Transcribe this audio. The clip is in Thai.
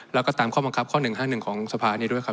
แล้วก็ตามข้อบังคับข้อ๑๕๑ของสภานี้ด้วยครับ